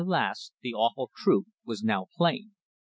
the awful truth was now plain.